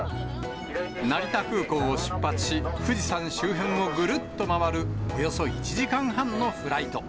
成田空港を出発し、富士山周辺をぐるっと回るおよそ１時間半のフライト。